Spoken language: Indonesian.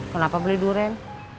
kenapa beli durian